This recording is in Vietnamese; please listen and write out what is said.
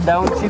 bao nhiêu lít